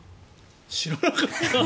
知らなかった。